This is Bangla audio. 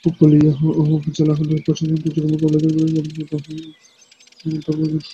উপকূলীয় জেলা-উপজেলা প্রশাসন দুর্যোগ মোকাবিলা ও দুর্যোগ-পরবর্তী উদ্ধার অভিযান চালানোর জন্য প্রস্তুত আছে।